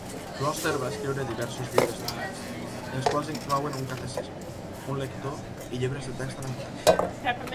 Kloster va escriure diversos llibres de text, els quals inclouen un catecisme, un lector i llibres de text en anglès.